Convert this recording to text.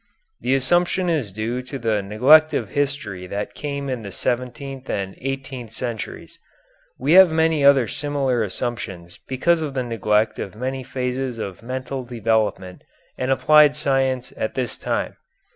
The assumption is due to the neglect of history that came in the seventeenth and eighteenth centuries. We have many other similar assumptions because of the neglect of many phases of mental development and applied science at this time.